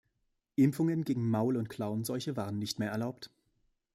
Impfungen gegen Maul- und Klauenseuche waren nicht mehr erlaubt.